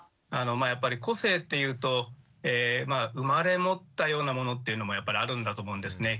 やっぱり個性っていうとまあ生まれ持ったようなものっていうのもやっぱりあるんだと思うんですね。